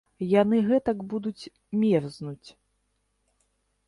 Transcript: Яны гэтак будуць мерзнуць.